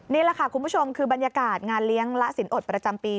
นี่แหละค่ะคุณผู้ชมคือบรรยากาศงานเลี้ยงละสินอดประจำปี